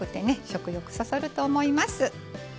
食欲そそると思います。